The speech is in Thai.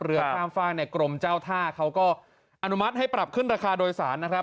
ข้ามฝากในกรมเจ้าท่าเขาก็อนุมัติให้ปรับขึ้นราคาโดยสารนะครับ